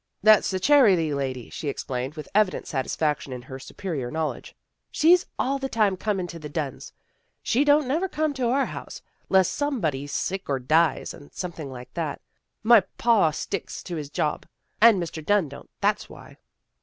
" That's the charity lady," she explained, with evident satisfaction in her superior knowl edge. " She's all the tune comin' to the Dunns. She don't never come to our home, 'less some body's sick or dies, or something like that. My pa he sticks to his job, and Mr. Dunn don't, that's why."